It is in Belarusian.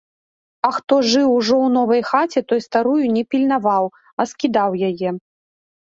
А хто жыў ужо ў новай хаце, той старую не пільнаваў, а скідаў яе.